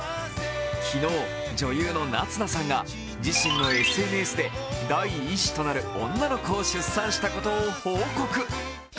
昨日、女優の夏菜さんが自身のＳＮＳで第１子となる女の子を出産したことを報告。